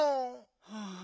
はあ。